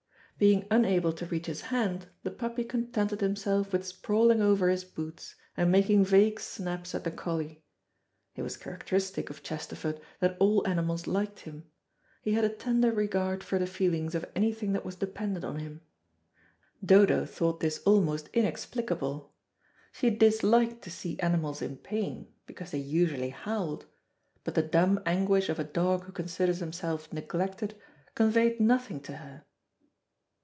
Being unable to reach his hand the puppy contented himself with sprawling over his boots, and making vague snaps at the collie. It was characteristic of Chesterford that all animals liked him. He had a tender regard for the feelings of anything that was dependent on him. Dodo thought this almost inexplicable. She disliked to see animals in pain, because they usually howled, but the dumb anguish of a dog who considers himself neglected conveyed nothing to her.